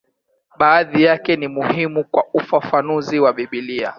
Baadhi yake ni muhimu kwa ufafanuzi wa Biblia.